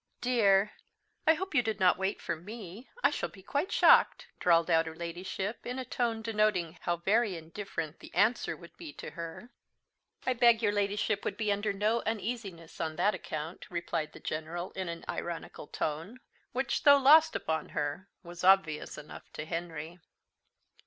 "Dear! I hope you did not wait for me. I shall be quite shocked!" drawled out her ladyship in a tone denoting how very indifferent the answer would be to her. "I beg your ladyship would be under no uneasiness on that account," replied the General in an ironical tone, which, though lost upon her, was obvious enough to Henry.